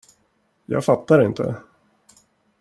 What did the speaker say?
Jag fattar inte.